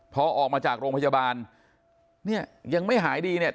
พอออกมาจากโรงพยาบาลเนี่ยยังไม่หายดีเนี่ย